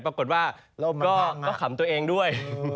ปรากฏว่าก็ขำตัวเองด้วย